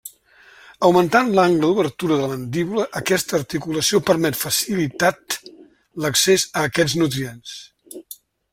Augmentant l'angle d'obertura de la mandíbula, aquesta articulació permet facilitat l'accés a aquests nutrients.